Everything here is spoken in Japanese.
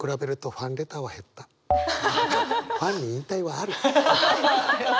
ファンに引退はある。